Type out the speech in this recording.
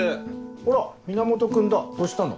あら源君だどしたの？